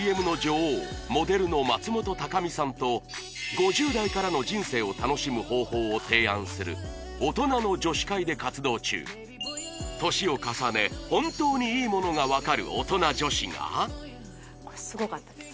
ＣＭの女王モデルの松本孝美さんと５０代からの人生を楽しむ方法を提案する大人の女史会で活動中年を重ね本当に良いものが分かるおとな女史が・スゴかった？